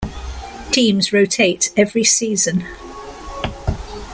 Teams rotate every season.